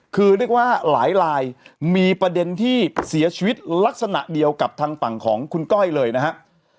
คือเรียกว่าหลายลายมีประเด็นที่เสียชีวิตลักษณะเดียวกับทางฝั่งของคุณก้อยเลยนะครับ